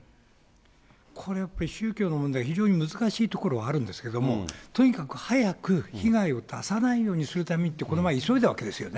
これやっぱり、宗教の問題、非常に難しいところはあるんですけれども、とにかく早く、被害を出さないようにするためにって、この前急いだわけですよね。